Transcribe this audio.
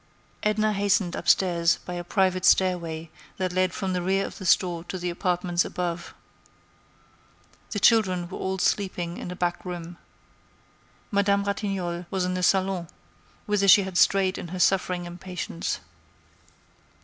Edna hastened upstairs by a private stairway that led from the rear of the store to the apartments above. The children were all sleeping in a back room. Madame Ratignolle was in the salon, whither she had strayed in her suffering impatience.